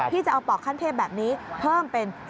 พี่จะเอาปลอกขั้นเทพแบบนี้เพิ่มเป็น๔๕บาท